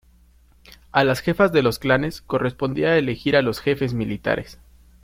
A las jefas de los clanes correspondía elegir a los jefes militares.